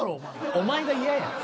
お前が嫌やろ。